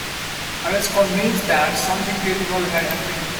I was convinced that something terrible had happened.